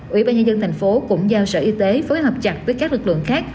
ủy ban nhân dân tp cũng giao sở y tế phối hợp chặt với các lực lượng khác